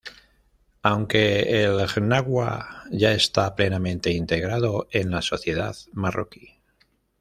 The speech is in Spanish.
Aunque el Gnawa ya está plenamente integrado en la sociedad marroquí.